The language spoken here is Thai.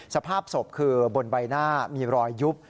สภาพศพคือบนใบหน้ามีรอยยุบ